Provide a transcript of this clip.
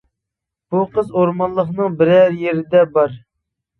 بۇ قىز ئورمانلىقنىڭ بىرەر يېرىدە بار.